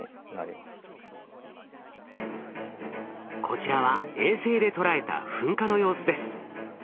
こちらは衛星で捉えた噴火の様子です。